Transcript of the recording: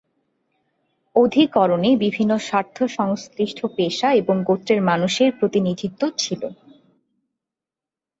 অধিকরণে বিভিন্ন স্বার্থ সংশ্লিষ্ট পেশা ও গোত্রের মানুষের প্রতিনিধিত্ব ছিল।